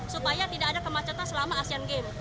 supaya tidak ada kemacetan selama asean games